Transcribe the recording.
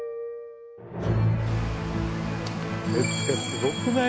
すごくない？